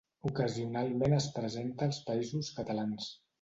Ocasionalment es presenta als Països Catalans.